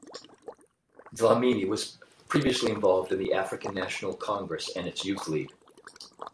Dlamini was previously involved in the African National Congress and its youth league.